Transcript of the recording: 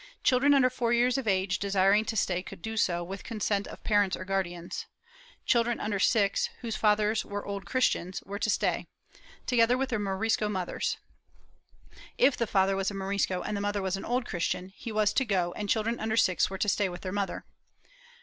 Children under four years of age desir ing to stay could do so, with consent of parents or guardians. Children under six, whose fathers were Old Christians, were to stay, together with their Morisco mothers: if the father was a Morisco and the mother an Old Christian, he was to go and chil dren under six were to stay with their mother.